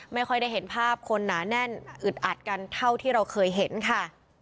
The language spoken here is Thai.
ไม่ค่อยได้เห็นภาพคนหนาแน่นอึดอัดกันเท่าที่เราเคยเห็นค่ะ